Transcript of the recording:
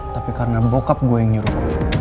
tapi karena bokap gue yang nyuruh